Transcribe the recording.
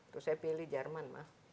terus saya pilih jerman